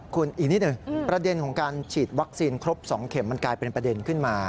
คุณอีกนิดหนึ่งประเด็นของการฉีดวัคซีนครบ๒เข็มมันกลายเป็นประเด็นขึ้นมา